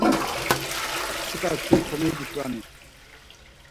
Mtsika şuri komuişvanes.